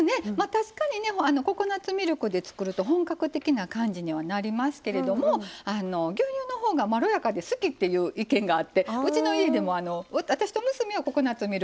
確かにねココナツミルクで作ると本格的な感じにはなりますけれども牛乳のほうがまろやかで好きっていう意見があってうちの家でも私と娘はココナツミルク派。